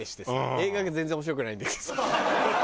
映画が全然面白くないんだけどさ。